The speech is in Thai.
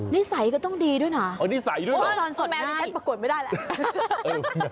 นิสัยก็ต้องดีด้วยนะตอนสุดแมวแท็กประกวดไม่ได้แหละ